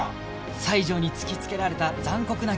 西条に突きつけられた残酷な現実